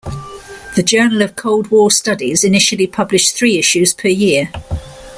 The "Journal of Cold War Studies" initially published three issues per year.